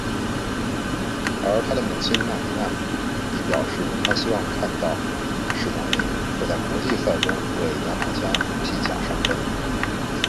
而他的母亲纳迪娜已表示她希望看到史达宁会在国际赛中为牙买加披甲上阵。